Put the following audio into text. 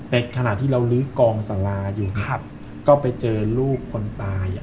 ในขณะที่เราลื้อกองสาลาอยู่ครับก็ไปเจอลูกคนตายอ่ะ